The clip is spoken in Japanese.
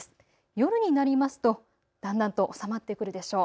夜になりますとだんだんと収まってくるでしょう。